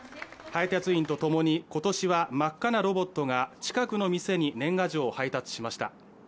配達員とともに今年は真っ赤なロボットが近くの店に年賀状を配達しました。